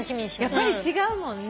やっぱり違うもんね。